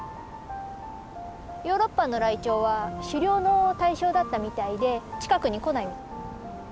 ヨーロッパのライチョウは狩猟の対象だったみたいで近くに来ない。